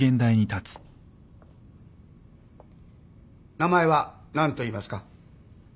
名前は何といいますか？